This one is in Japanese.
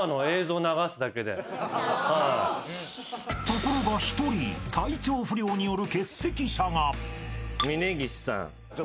［ところが１人体調不良による欠席者が］